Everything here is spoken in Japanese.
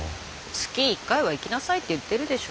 月１回は行きなさいって言ってるでしょ。